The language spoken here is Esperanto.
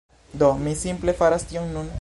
Do, mi simple faras tion nun